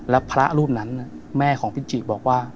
แล้วพระรูปนั้นแม่ของพิจิบอกว่า